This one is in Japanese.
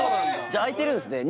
じゃあいてるんすね